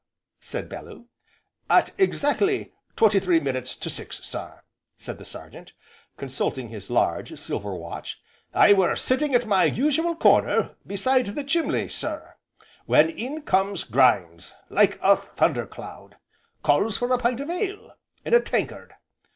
said Bellew. "At exactly twenty three minutes to six, sir," said the Sergeant, consulting his large silver watch, "I were sitting in my usual corner beside the chimley, sir, when in comes Grimes like a thunder cloud. Calls for a pint of ale in a tankard.